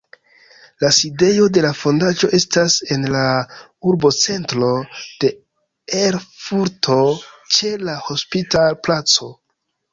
La sidejo de la fondaĵo estas en la urbocentro de Erfurto ĉe la Hospital-placo.